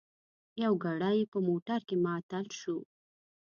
یو ګړی په موټر کې معطل شوو.